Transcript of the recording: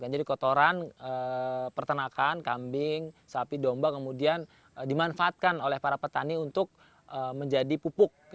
jadi kotoran peternakan kambing sapi domba kemudian dimanfaatkan oleh para petani untuk menjadi pupuk